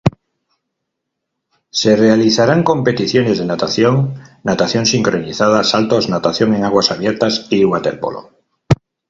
Se realizarán competiciones de natación, natación sincronizada, saltos, natación en aguas abiertas y waterpolo.